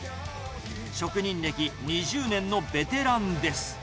職人歴２０年のベテランです。